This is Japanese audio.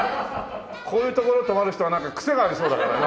こういう所泊まる人はクセがありそうだからな。